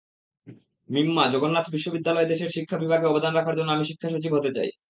মিম্মা, জগন্নাথ বিশ্ববিদ্যালয়দেশের শিক্ষা বিভাগে অবদান রাখার জন্য আমি শিক্ষাসচিব হতে চাই।